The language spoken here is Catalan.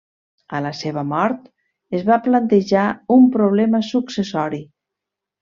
A la seva mort, es va plantejar un problema successori.